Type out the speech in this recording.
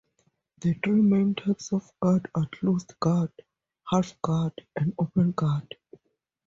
The three main types of guard are Closed Guard, Half Guard, and Open Guard.